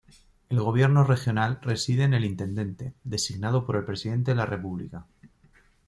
El gobierno regional reside en el Intendente, designado por el Presidente de la República.